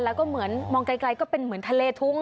แล้วก็เหมือนมองไกลก็เป็นเหมือนทะเลทุ้ง